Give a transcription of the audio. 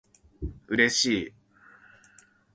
嬉しい